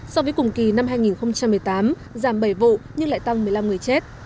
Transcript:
so với cùng kỳ năm hai nghìn một mươi tám giảm bảy vụ nhưng lại tăng một mươi năm người chết